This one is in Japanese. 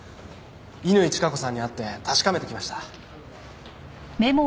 乾チカ子さんに会って確かめてきました。